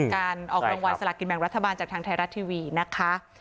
การออกรางวัลสละกินแบ่งรัฐบาลจากทางไทยรัฐทีวีนะคะ